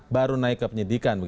baru naik ke penyidikan